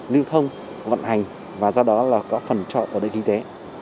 lưu thông vận hành và do đó là có phần trọng của nơi kinh tế